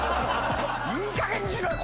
いいかげんにしろよ！